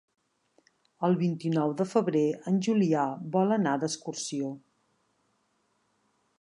El vint-i-nou de febrer en Julià vol anar d'excursió.